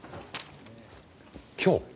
今日？